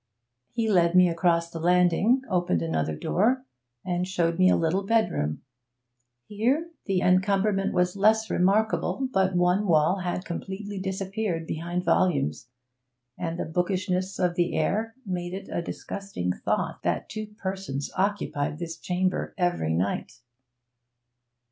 He led me across the landing, opened another door, and showed me a little bedroom. Here the encumberment was less remarkable, but one wall had completely disappeared behind volumes, and the bookishness of the air made it a disgusting thought that two persons occupied this chamber every night.